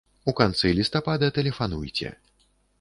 У канцы лістапада тэлефануйце.